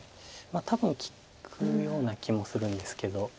多分利くような気もするんですけど。